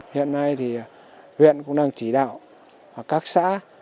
hiện nay thì huyện cũng đang chỉ đạo các xã